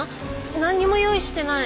何にも用意してない。